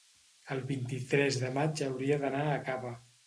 el vint-i-tres de maig hauria d'anar a Cava.